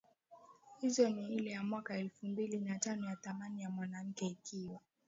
hizo ni ile ya mwaka elfu mbili na tano ya thamani ya mwanamke ikiwa